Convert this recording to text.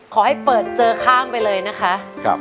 ขอให้เปิดเจอข้ามไปเลยนะคะ